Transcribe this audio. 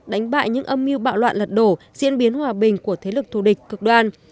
đánh bại những âm mưu bạo loạn lật đổ diễn biến hòa bình của thế lực thù địch cực đoan